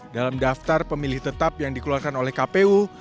dalam daftar pemilih tetap yang dikeluarkan oleh kpu